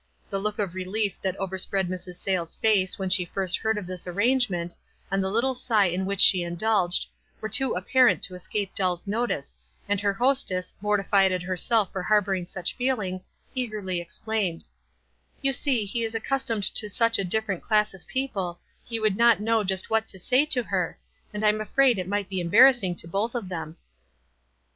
The look of re lief that overspread Mrs. Sayles' face when she first heard of this arrangement, and the little sigh in which she indulged, were too apparent to escape Dell's notice, and her hostess, morti fied at herself for harboring such feelings, eager ly explained, — "You see he is accustomed to such a different class of people, he would not know just what to say to her, and I am afraid it might be embar rassing to both of them."